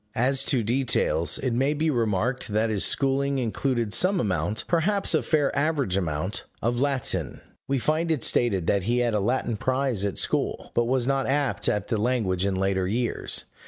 As to details, it may be remarked that his schooling included some amount perhaps a fair average amount of Latin. We find it stated that he had a Latin prize at school, but was not apt at the language in later years.